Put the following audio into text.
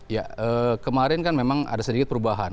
ya kemarin kan memang ada sedikit perubahan